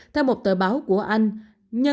theo một tờ báo của anh